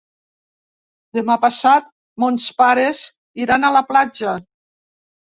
Demà passat mons pares iran a la platja.